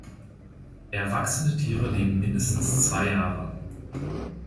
Erwachsene Tiere leben mindestens zwei Jahre.